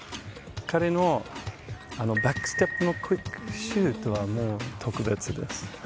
彼のバックステップのクイックシュートは特別ですね。